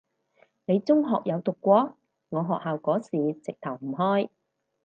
你中學有讀過？我學校嗰時直頭唔開